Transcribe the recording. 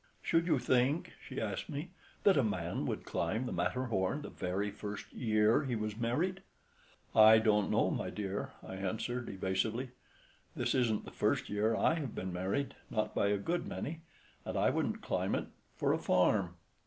"Should you think," she asked me, "that a man would climb the Matterhorn the very first year he was married?" "I don't know, my dear," I answered, evasively; "this isn't the first year I have been married, not by a good many, and I wouldn't climb it—for a farm."